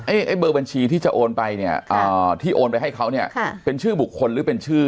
ไอ้เบอร์บัญชีที่จะโอนไปเนี่ยที่โอนไปให้เขาเนี่ยค่ะเป็นชื่อบุคคลหรือเป็นชื่อ